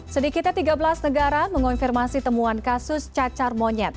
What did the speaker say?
sedikitnya tiga belas negara mengonfirmasi temuan kasus cacar monyet